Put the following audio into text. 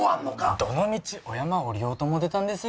どの道お山下りようと思うてたんですよ